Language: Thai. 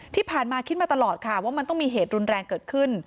ที่ผ่านมาคิดมาตลอดค่ะว่ามันต้องมีเหตุรุนแรงเกิดขึ้น